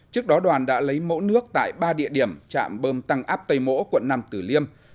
trước đó đoàn đã lấy mẫu nước tại ba địa điểm trạm bơm tăng áp tây mỗ quận năm tử liêm